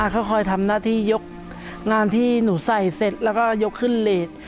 เขาคอยทำหน้าที่ยกงานที่หนูใส่เสร็จแล้วก็ยกขึ้นเลส